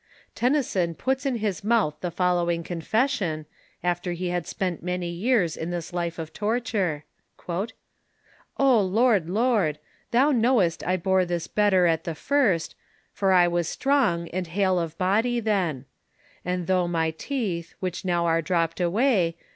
Tennyson puts in his mouth the following confession, after he had spent many years in this life of torture : "O Lord, Lord, Thou knowest I bore this better at the first, For I was strong and hale of body then ; And though my teeth, which now are dropped away.